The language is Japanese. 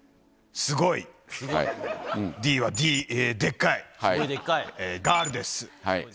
すごいでっかいガールです。